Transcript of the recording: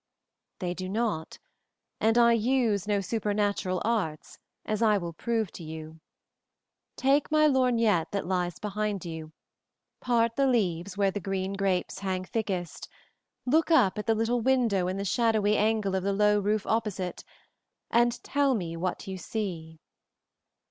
"They do not, and I use no supernatural arts, as I will prove to you. Take my lorgnette that lies behind you, part the leaves where the green grapes hang thickest, look up at the little window in the shadowy angle of the low roof opposite, and tell me what you see."